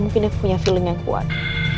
mungkin aku punya feeling yang kuat